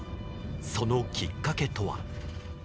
そのきっかけとは。